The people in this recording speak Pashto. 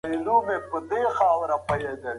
په دغه ودانۍ کي د ډېرو خلکو مننه قبوله سوه.